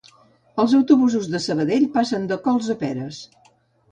Els autobusos de Sabadell passen de cols a peres